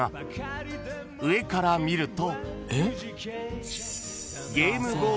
［上から見ると］